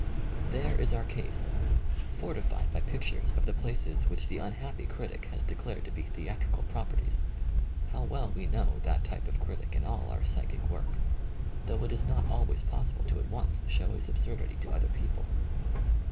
There is our case, fortified by pictures of the places which the unhappy critic has de clared to be theatrical properties. How well we know that type of critic in all our psychic Iwork, though it is not always possible to at once show his absurdity to other people.